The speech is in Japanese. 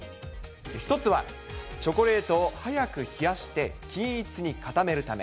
１つは、チョコレートを早く冷やして、均一に固めるため。